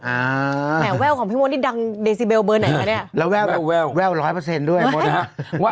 แหมแว่วของพี่มดนี่ดังเดซิเบลเบอร์ไหนคะเนี่ยแล้วแววแววร้อยเปอร์เซ็นต์ด้วยมดนะฮะ